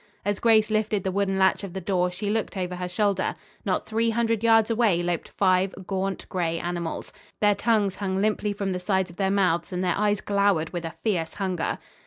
As Grace lifted the wooden latch of the door, she looked over her shoulder. Not three hundred yards away loped five gaunt, gray animals. Their tongues hung limply from the sides of their mouths and their eyes glowered with a fierce hunger.